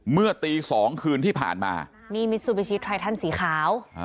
เมื่อตีสองคืนที่ผ่านมานี่มิซูบิชิไททันสีขาว